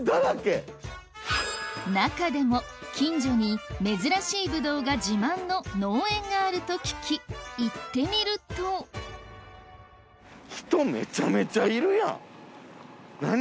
中でも近所に珍しいブドウが自慢の農園があると聞き行ってみると人めちゃめちゃいるやん何？